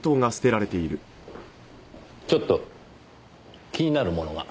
ちょっと気になるものが。